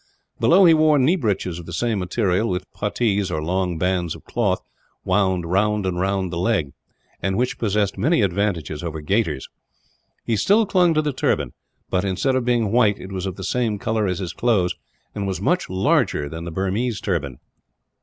Below he wore knee breeches of the same material; with putties, or long bands of cloth, wound round and round the leg, and which possessed many advantages over gaiters. He still clung to the turban but, instead of being white, it was of the same colour as his clothes, and was much larger than the Burmese turban.